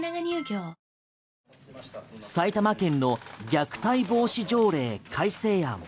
埼玉県の虐待防止条例改正案。